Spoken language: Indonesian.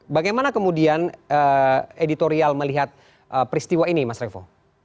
bagaimana kemudian editorial melihat peristiwa ini mas revo